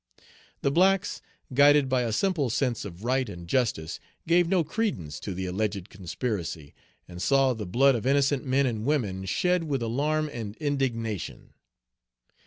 The blacks, guided by a simple sense of right and justice, gave no credence to the alleged conspiracy, and saw the blood Page 242 of innocent men and women shed with alarm and indignation.